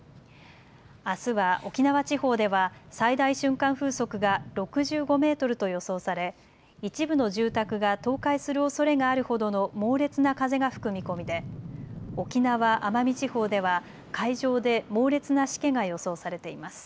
あすは沖縄地方では最大瞬間風速が６５メートルと予想され一部の住宅が倒壊するおそれがあるほどの猛烈な風が吹く見込みで沖縄・奄美地方では海上で猛烈なしけが予想されています。